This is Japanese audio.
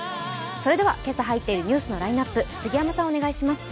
それでは、今朝入っているニュースのラインナップ、杉山さん、お願いします。